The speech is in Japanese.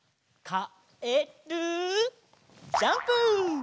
かえるジャンプ！